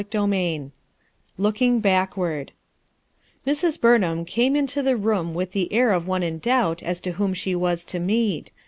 CHAPTER XV LOOKING BACKWARD MRS BTJRNHAM caniD into the room with the air of one in doubt as to whom she was to meet.